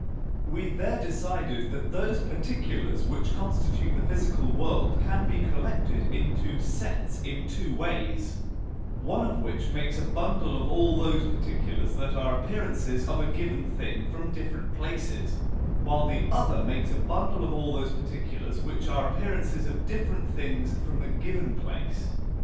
We there decided that those particulars which constitute the physical world can be collected into sets in two ways, one of which makes a bundle of all those particulars that are appearances of a given thing from different places, while the other makes a bundle of all those particulars which are appearances of different things from a given place.